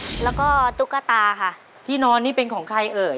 ขอเชิญแสงเดือนมาต่อชีวิตเป็นคนต่อชีวิตเป็นคนต่อชีวิต